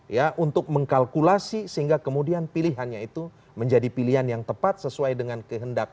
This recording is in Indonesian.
ya untuk mengkalkulasi sehingga kemudian pilihannya itu menjadi pilihan yang tepat sesuai dengan kehendak